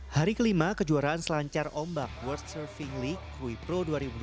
hari kelima kejuaraan selancar ombak world surfing league krui pro dua ribu dua puluh